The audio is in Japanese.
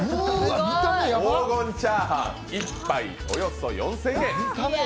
黄金チャーハン、１杯およそ４０００円。